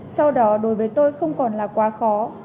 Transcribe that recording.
sau đó đối với tôi không còn là quá khó